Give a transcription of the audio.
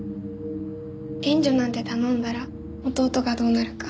援助なんて頼んだら弟がどうなるか。